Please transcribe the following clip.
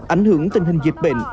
ảnh hưởng tình hình dịch bệnh